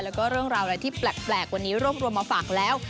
แล้วก็เรื่องราวอะไรที่แปลกวันนี้รวบรวมมาฝากแล้ว